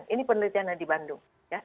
ini penelitiannya di bandung